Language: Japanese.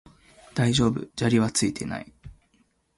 大丈夫、砂利はついていない